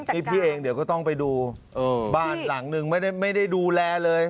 นี่พี่เองเดี๋ยวก็ต้องไปดูบ้านหลังนึงไม่ได้ดูแลเลย